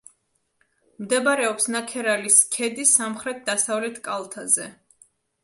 მდებარეობს ნაქერალის ქედის სამხრეთ–დასავლეთ კალთაზე.